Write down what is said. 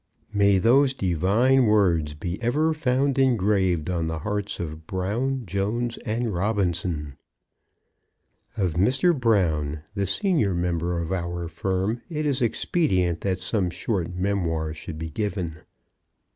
May those divine words be ever found engraved on the hearts of Brown, Jones, and Robinson! Of Mr. Brown, the senior member of our firm, it is expedient that some short memoir should be given.